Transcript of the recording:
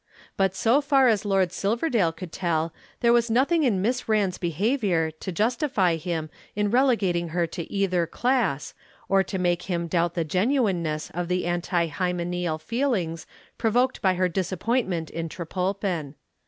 But so far as Lord Silverdale could tell, there was nothing in Miss Rand's behavior to justify him in relegating her to either class, or to make him doubt the genuineness of the anti hymeneal feelings provoked by her disappointment in Trepolpen.